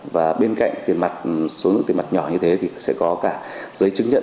và bên cạnh số lượng tiền mặt nhỏ như thế thì sẽ có cả giấy chứng nhận